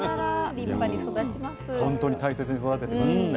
本当に大切に育ててましたよね。